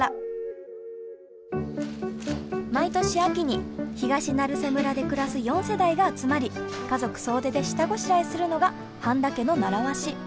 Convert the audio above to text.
毎年秋に東成瀬村で暮らす４世代が集まり家族総出で下ごしらえするのが半田家の習わし。